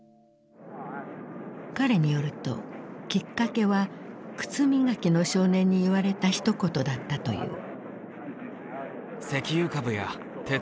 彼によるときっかけは靴磨きの少年に言われたひと言だったという。